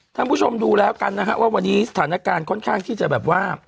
ท่านผู้ชมดูแล้วกันนะฮะว่าวันนี้สถานการณ์ค่อนข้างที่จะแบบว่า